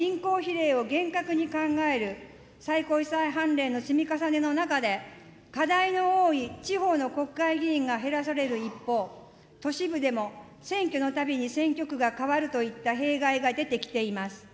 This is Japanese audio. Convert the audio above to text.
また、１票の格差についても、人口比例を厳格に考える最高裁判例の積み重ねの中で、課題の多い地方の国会議員が減らされる一方、都市部でも選挙のたびに選挙区が変わるといった弊害が出てきています。